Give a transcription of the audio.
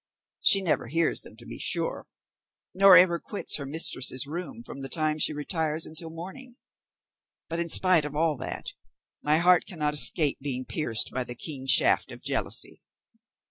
She never hears them to be sure, nor ever quits her mistress's room from the time she retires until morning; but in spite of all that, my heart cannot escape being pierced by the keen shaft of jealousy."